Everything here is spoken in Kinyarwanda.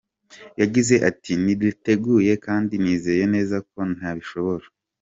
Yagize ati “Nditeguye kandi nizeye neza ko nabishobora.